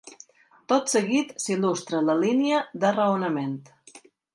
Tot seguit s'il·lustra la línia de raonament.